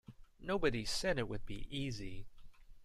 Nobody said it would be easy.